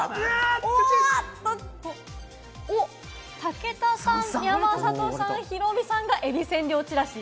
武田さん、山里さん、ヒロミさんがえび千両ちらし。